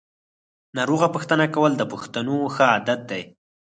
ناروغ پوښتنه کول د پښتنو ښه عادت دی.